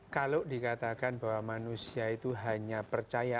kalau dikatakan bahwa manusia itu hanya percaya